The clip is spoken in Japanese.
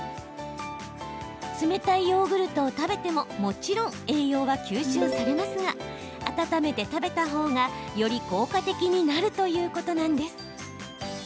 冷たいヨーグルトを食べてももちろん栄養は吸収されますが温めて食べた方がより効果的になるということなんです。